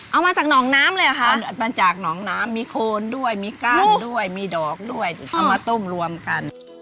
เอามาจากหนองน้ำเลยหรือค่ะ